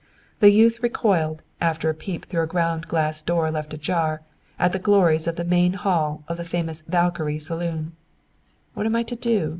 The youth recoiled, after a peep through a ground glass door left ajar, at the glories of the main hall of the famous "Valkyrie" saloon. "What am I to do?"